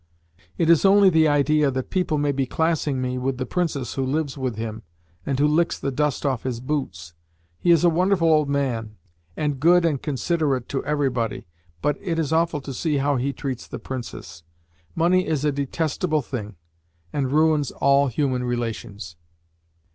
"It is only the idea that people may be classing me with the Princess who lives with him, and who licks the dust off his boots. He is a wonderful old man, and good and considerate to everybody, but it is awful to see how he treats the Princess. Money is a detestable thing, and ruins all human relations.